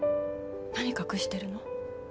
何隠してるの？